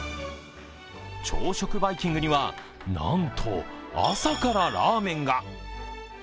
朝食バイキングには、なんと朝からラーメンが。